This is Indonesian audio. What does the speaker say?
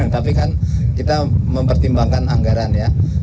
tapi kan kita mempertimbangkan anggaran ya